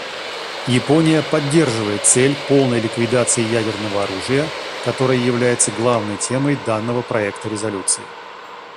Япония поддерживает цель полной ликвидации ядерного оружия, которая является главной темой данного проекта резолюции.